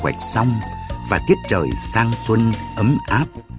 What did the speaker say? hoạch sông và tiết trời sang xuân ấm áp